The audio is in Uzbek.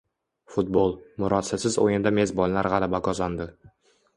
Futbol: murosasiz o‘yinda mezbonlar g‘alaba qozondi